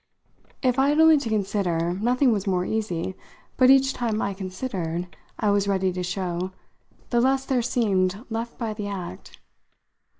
If I had only to consider, nothing was more easy; but each time I considered, I was ready to show, the less there seemed left by the act.